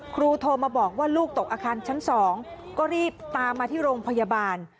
โทรมาบอกว่าลูกตกอาคารชั้น๒ก็รีบตามมาที่โรงพยาบาล